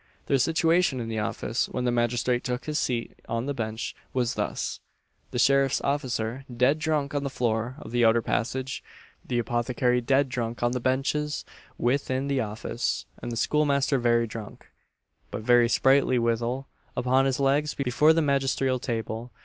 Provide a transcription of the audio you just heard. Their situation in the office, when the magistrate took his seat on the bench, was thus: The sheriff's officer dead drunk on the floor of the outer passage; the apothecary dead drunk on the benches within the office; and the schoolmaster very drunk, but very sprightly withal, upon his legs before the magisterial table.